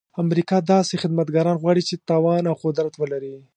امریکا داسې خدمتګاران غواړي چې توان او قدرت ولري.